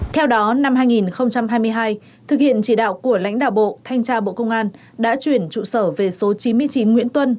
theo đó năm hai nghìn hai mươi hai thực hiện chỉ đạo của lãnh đạo bộ thanh tra bộ công an đã chuyển trụ sở về số chín mươi chín nguyễn tuân